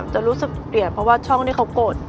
จะรู้สึกเกลียดเพราะว่าช่องที่เขากด